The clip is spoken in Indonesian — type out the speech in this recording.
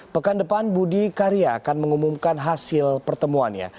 pekan depan budi karya akan mengumumkan hasil pertemuannya